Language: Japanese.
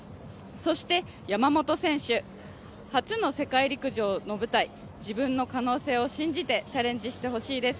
そして山本選手、初の世界陸上の舞台、自分の可能性を信じてチャレンジしてほしいです。